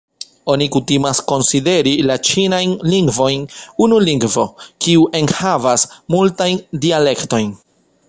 Oni kutimas konsideri la ĉinajn lingvojn unu lingvo, kiu enhavas multajn dialektojn.